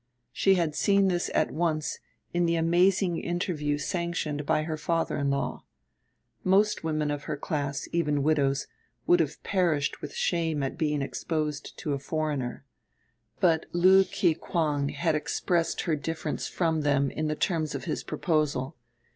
She had seen this at once in the amazing interview sanctioned by her father in law. Most women of her class, even widows, would have perished with shame at being exposed to a foreigner. But Lu Kikwang had expressed her difference from them in the terms of his proposal.